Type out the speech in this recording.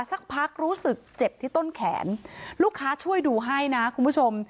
สักพักรู้สึกเจ็บที่ต้นแขนลูกค้าช่วยดูให้นะคุณผู้ชม